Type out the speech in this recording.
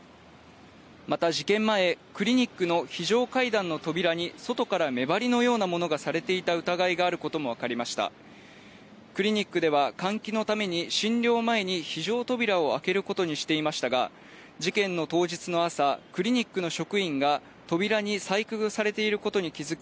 また事件前クリニックの非常階段の扉に外から目張りのようなものがされていた疑いがあることも分かりましたクリニックでは換気のために診療前に非常扉を開けることにしていましたが事件の当日の朝クリニックの職員が扉に細工されていることに気づき